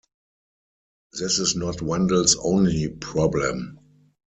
This is not Wendell's only problem.